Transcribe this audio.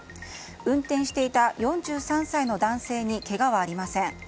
運転していた４３歳の男性にけがはありません。